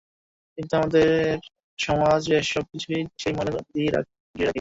কিন্তু আমরা আমাদের সমাজ, দেশ সবকিছুকেই সেই ময়লা দিয়েই ঘিরে রাখি।